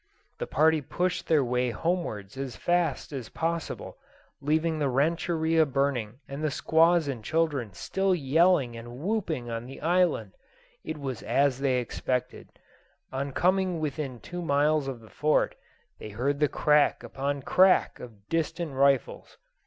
The party pushed their way homewards as fast, as possible; leaving the rancheria burning and the squaws and children still yelling and whooping on the island. It was as they expected. On coming within two miles of the Fort, they heard the crack upon crack of distant rifles.